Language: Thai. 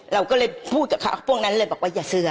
เราก็เลยพูดกับพวกนั้นเลยบอกว่าอย่าซื้อ